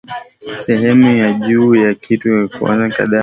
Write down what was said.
sehemu ya juu ya kitu kwa saa kadhaa kutegema hali nyingine kama vile kiwango